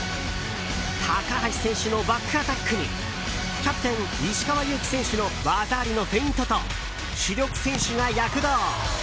高橋選手のバックアタックにキャプテン、石川祐希選手の技ありのフェイントと主力選手が躍動。